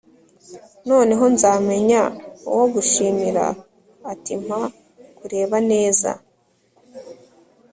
Noneho nzamenya uwo gushimira ati mpa kureba neza